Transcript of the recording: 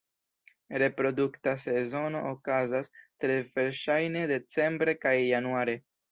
Reprodukta sezono okazas tre verŝajne decembre kaj januare.